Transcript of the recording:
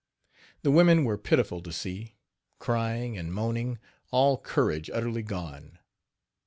The women were pitiful to see, crying and moaning all courage utterly gone.